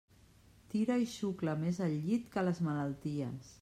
Tira i xucla més el llit que les malalties.